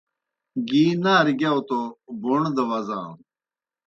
گی نارہ گِیاؤ توْ بوݨ دہ وزانوْ